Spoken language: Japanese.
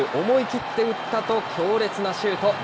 思い切って打ったと強烈なシュート。